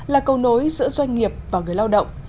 là cầu nối giữa doanh nghiệp và người lao động